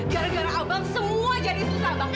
gara gara abang semua jadi susah bang